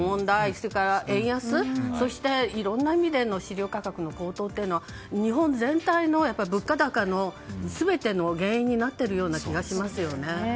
それから円安そして、いろんな意味での飼料価格の高騰というのは日本全体の物価高の全ての原因になっているような気がしますよね。